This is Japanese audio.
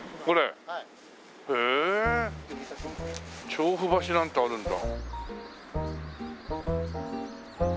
調布橋なんてあるんだ。